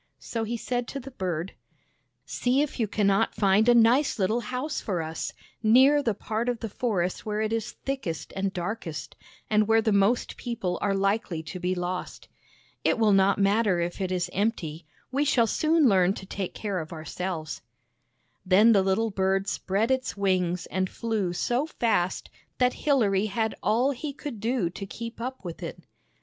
So he said to the bird: " See if you can not find a nice little house for us, near the part of the forest where it is thickest and darkest, and where the most people are likely to be lost. It will not matter if it is empty, we shall soon learn to take care of ourselves." Then the little bird spread its wings and flew so fast that Hilary had all he could do to keep up with it.